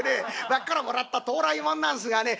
脇からもらった到来もんなんすがね